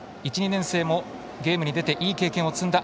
１、２年生もゲームに出ていい経験を積んだ。